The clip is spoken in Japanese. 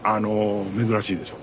珍しいでしょう。